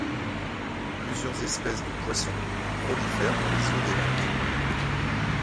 Plusieurs espèces de poissons prolifèrent dans les eaux des lacs.